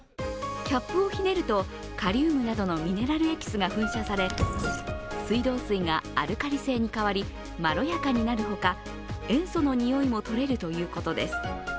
キャップをひねるとカリウムなどのミネラルエキスが噴射され水道水がアルカリ性に変わりまろやかになるほか塩素の臭いもとれるということです。